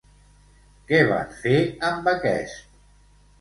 Què van fer amb aquest?